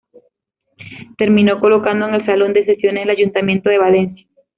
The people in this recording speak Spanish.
Terminó colocado en el salón de sesiones del Ayuntamiento de Valencia.